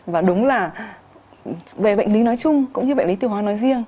và đúng là về bệnh lý nói chung cũng như bệnh lý tiêu hóa nói riêng